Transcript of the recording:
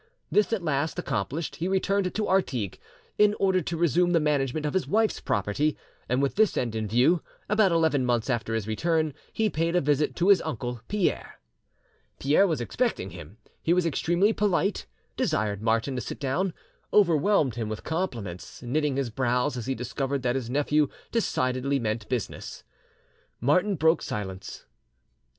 This at last accomplished, he returned to Artigues, in order to resume the management of his wife's property, and with this end in view, about eleven months after his return, he paid a visit to his uncle Pierre. Pierre was expecting him; he was extremely polite, desired Martin, to sit down, overwhelmed him with compliments, knitting his brows as he discovered that his nephew decidedly meant business. Martin broke silence.